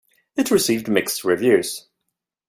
It received mixed reviews.